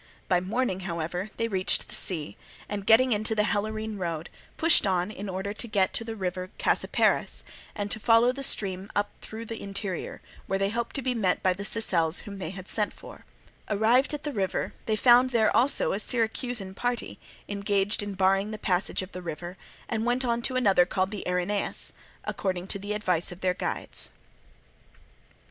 By morning, however, they reached the sea, and getting into the Helorine road, pushed on in order to reach the river Cacyparis, and to follow the stream up through the interior, where they hoped to be met by the Sicels whom they had sent for. Arrived at the river, they found there also a Syracusan party engaged in barring the passage of the ford with a wall and a palisade, and forcing this guard, crossed the river and went on to another called the Erineus, according to the advice of their guides.